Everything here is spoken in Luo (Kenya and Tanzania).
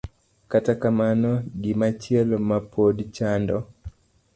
Kata kamano, gimachielo ma pod chando